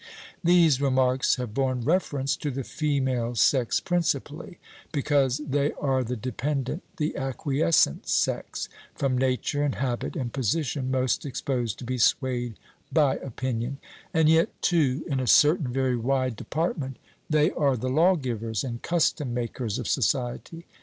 These remarks have borne reference to the female sex principally, because they are the dependent, the acquiescent sex from nature, and habit, and position, most exposed to be swayed by opinion and yet, too, in a certain very wide department they are the lawgivers and custom makers of society.